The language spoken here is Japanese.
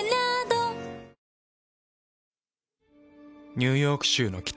ニューヨーク州の北。